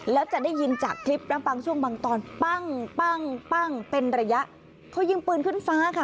แล้วจะได้ยินจากคลิปน้ำปังช่วงบางตอนเป็นระยะเขายิงปืนขึ้นฟ้าค่ะ